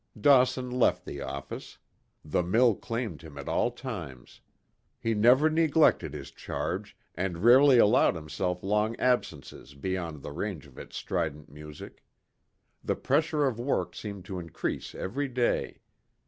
Dawson left the office. The mill claimed him at all times. He never neglected his charge, and rarely allowed himself long absences beyond the range of its strident music. The pressure of work seemed to increase every day.